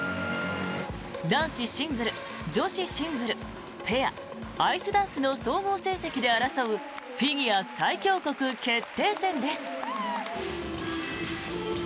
男子シングル、女子シングルペア、アイスダンスの総合成績で争うフィギュア最強国決定戦です。